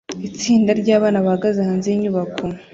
itsinda ryabana bahagaze hanze yinyubako